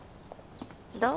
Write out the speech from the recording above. どう？